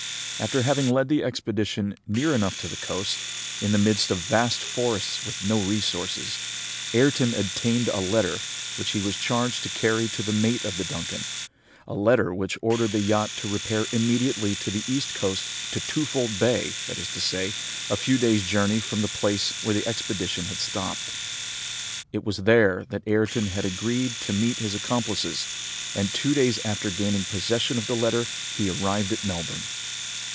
After having led the expedition near enough to the coast, in the midst of vast forests with no resources, Ayrton obtained a letter, which he was charged to carry to the mate of the Duncan a letter which ordered the yacht to repair immediately to the east coast, to Twofold Bay, that is to say, a few days' journey from the place where the expedition had stopped. It was there that Ayrton had agreed to meet his accomplices, and two days after gaining possession of the letter, he arrived at Melbourne.